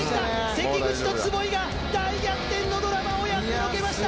関口と坪井が大逆転のドラマをやってのけました！